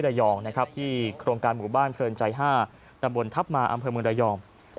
ระยองนะครับที่โครงการหมู่บ้านเพลินใจ๕ตำบลทัพมาอำเภอเมืองระยอง